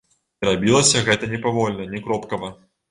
І рабілася гэта не павольна, не кропкава.